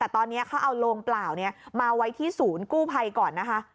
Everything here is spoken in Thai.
แต่ตอนนี้เขาเอาโลงเปล่ามาไว้ที่ศูนย์กู้ภัยก่อนนะคะ